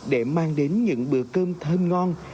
để mang đến những bữa cơm thơm ngon